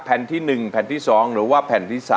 แผ่นที่๑แผ่นที่๒หรือว่าแผ่นที่๓